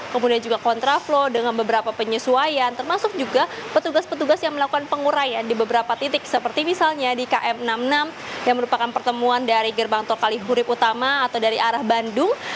kemudian juga kontraflow dengan beberapa penyesuaian termasuk juga petugas petugas yang melakukan penguraian di beberapa titik seperti misalnya di km enam puluh enam yang merupakan pertemuan dari gerbang tol kalihurip utama atau dari arah bandung